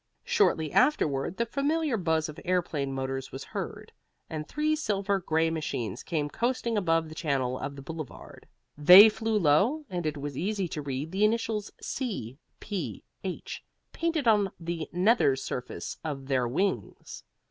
Shortly afterward the familiar buzz of airplane motors was heard, and three silver gray machines came coasting above the channel of the Boulevard. They flew low, and it was easy to read the initials C.P.H. painted on the nether surface of their wings.